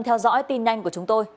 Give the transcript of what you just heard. theo dõi tin nhanh của chúng tôi